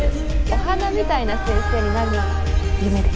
お花みたいな先生になるのが夢で